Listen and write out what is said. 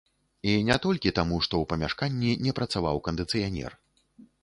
І не толькі таму, што ў памяшканні не працаваў кандыцыянер.